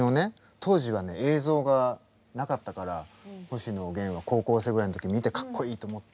当時は映像がなかったから星野源は高校生ぐらいの時見てかっこいいと思って。